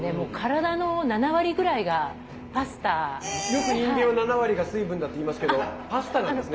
よく人間は７割が水分だっていいますけどパスタなんですね。